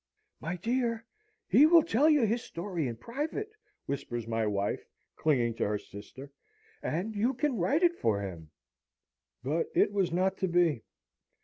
"My dear, he will tell you his story in private!" whispers my wife, clinging to her sister, "and you can write it for him." But it was not to be.